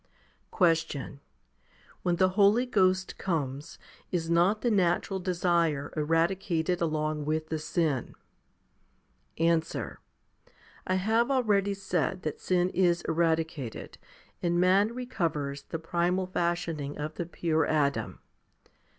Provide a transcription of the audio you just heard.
2. Question. When the Holy Ghost comes, is not the natural desire eradicated along with the sin ? Answer. I have already said that sin is eradicated, and man recovers the primal fashioning of the pure Adam.